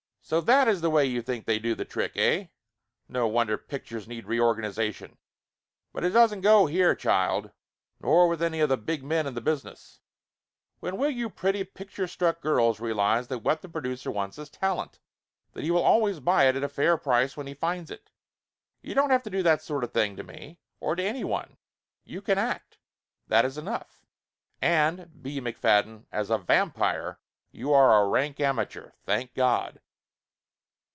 "So that is the way you think they do the trick, eh ? No wonder pictures need reorganization! But it doesn't go here, child, nor with any of the big men in the business. When 278 Laughter Limited will you pretty picture struck girls realize that what the producer wants is talent ? That he will always buy it at a fair price when he finds it ? You don't have to do that sort of thing to me, or to anyone. You can act. That is enough. And, B. McFadden, as a vam pire you are a rank amateur thank God